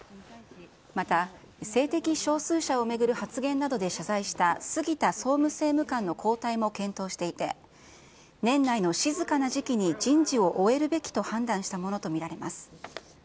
また、性的少数者を巡る発言などで謝罪した杉田総務政務官の交代も検討していて、年内の静かな時期に人事を終えるべきと判断したものと見られます。